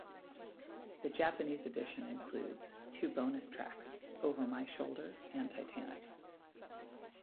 The Japanese edition includes two bonus tracks: "Over My Shoulder" and "Titanic".